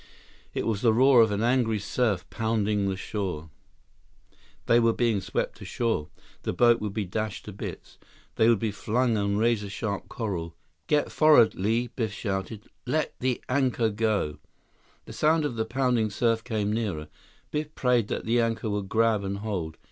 It was the roar of an angry surf pounding the shore. They were being swept ashore. The boat would be dashed to bits. They would be flung on razor sharp coral! "Get forward, Li," Biff shouted. "Let the anchor go!" The sound of the pounding surf came nearer. Biff prayed that the anchor would grab and hold.